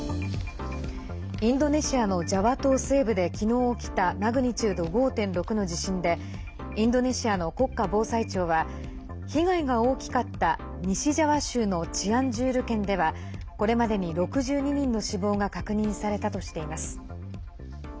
インドネシアのジャワ島西部で昨日、起きたマグニチュード５．６の地震でインドネシアの国家防災庁は被害が大きかった西ジャワ州のチアンジュール県ではこれまでに６２人の死亡が確認されたとしています。